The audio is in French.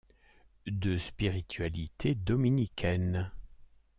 De spiritualité dominicaine.